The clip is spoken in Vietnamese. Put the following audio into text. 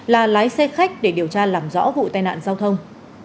là lái xe khách để điều tra làm rõ vụ tai nạn giao thông